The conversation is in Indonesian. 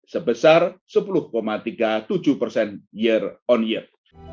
sebesar sepuluh tiga puluh tujuh persen year on year